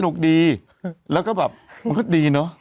คดีแล้วก็แบบมันก็ดีเนอะ